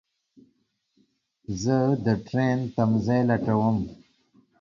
زه دټرين تم ځای لټوم